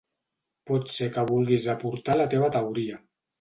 Pot ser que vulguis aportar la teva teoria.